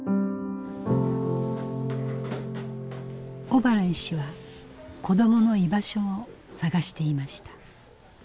小原医師は子どもの居場所を探していました。